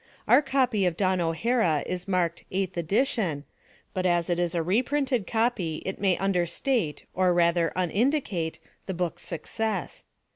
Our copy of Dawn O'Hara is marked "eighth edition," but as it is a reprinted copy that may understate, or rather under indicate, the book's success.